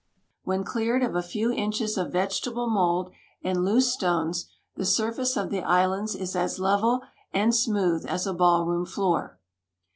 When cleared of a few inches of vegetable mold and loose stones, the surface of the islands is as level and smooth as a ballroom floor.